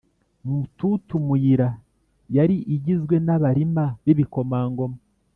Mututu Muyira yari igizwe n Abarima b igikomangoma